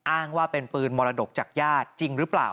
อ้างว่าเป็นปืนมรดกจากญาติจริงหรือเปล่า